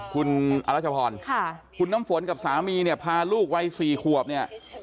คุณน้ำฝนกับสามีเนี่ยพาลูกวัย๔ขวบเนี่ย